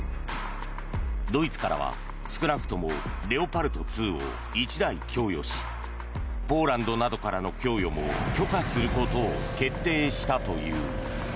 ドイツからは少なくともレオパルト２を１台供与しポーランドなどからの供与も許可することを決定したという。